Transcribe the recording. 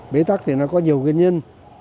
bế tắc có nhiều nguyên nhân